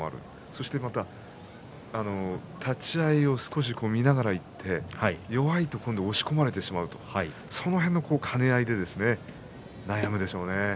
そして立ち合いを見ながら行って弱いところに押し込まれてしまうその辺の兼ね合いですね。